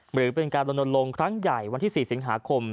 หรือเป็นการลนลงครั้งใหญ่วันที่๔สิงหาคม